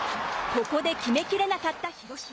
ここで決めきれなかった広島。